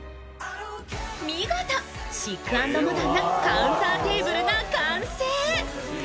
見事、シック＆モダンなカウンターテーブルが完成。